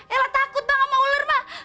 ela takut bang sama ular mak